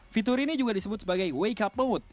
fitur ini juga disebut sebagai wake up mode